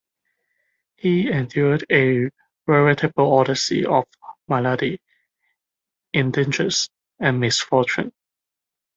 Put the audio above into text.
He endured a veritable Odyssey of malady, indigence and misfortune.